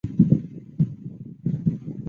聂荣臻元帅曾担任协会名誉理事长。